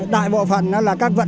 đại bộ phận là các vận chuyển